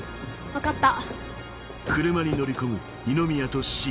分かった。